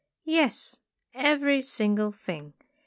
"Yes, every single thing.